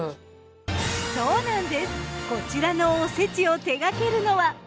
そうなんですこちらのおせちを手がけるのは。